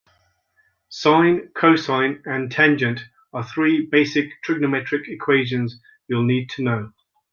Sine, cosine and tangent are three basic trigonometric equations you'll need to know.